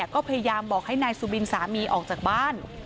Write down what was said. ก็พยายามบอกให้นายสุบินสามีออกจากบ้าน